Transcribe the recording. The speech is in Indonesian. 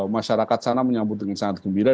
masyarakat sana menyambut dengan sangat gembira